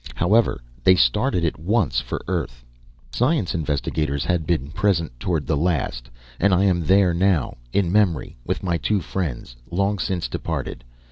However, they started at once for Earth. The science investigators had been present toward the last, and I am there now, in memory with my two friends, long since departed.